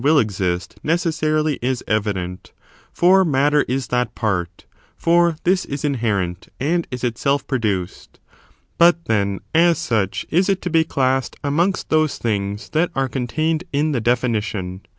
[bOOK YL will exist necessarily is evident; for matter is that part, for this is inherent, and is itself produced. But then, as such, is it to be classed amongst those things that are con tained in the definition.